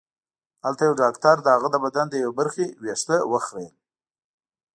هلته یو ډاکټر د هغه د بدن د یوې برخې وېښته وخریل